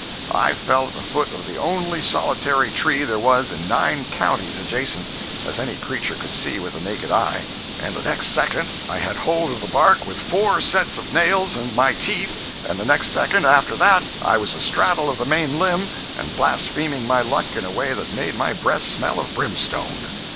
I fell at the foot of the only solitary tree there was in nine counties adjacent (as any creature could see with the naked eye), and the next second I had hold of the bark with four sets of nails and my teeth, and the next second after that I was astraddle of the main limb and blaspheming my luck in a way that made my breath smell of brimstone.